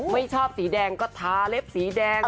ไม่ชอบสีแดงก็ทาเล็บสีแดง